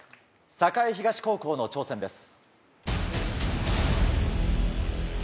栄東高校の挑戦です。